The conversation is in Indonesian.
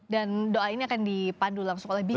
dan doa ini akan dipadu langsung oleh biku ya